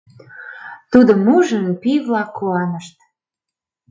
Тудым ужын, пий-влак куанышт.